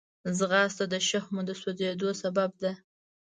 ځغاسته د شحمو د سوځېدو سبب ده